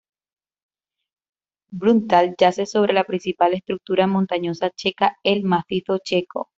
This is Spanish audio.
Bruntál yace sobre la principal estructura montañosa checa, el macizo checo.